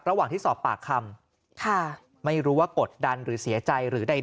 ระหว่างที่สอบปากคำค่ะไม่รู้ว่ากดดันหรือเสียใจหรือใด